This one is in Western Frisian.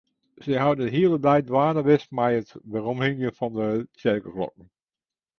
Se hawwe de hiele dei dwaande west mei it weromhingjen fan de tsjerkeklokken.